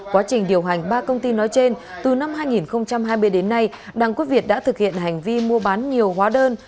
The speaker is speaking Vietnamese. quá trình điều hành ba công ty nói trên từ năm hai nghìn hai mươi đến nay đặng quốc việt đã thực hiện hành vi mua bán nhiều hóa đơn